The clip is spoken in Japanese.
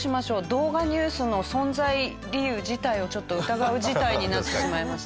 『動画ニュース』の存在理由自体をちょっと疑う事態になってしまいました。